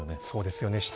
そうですよね。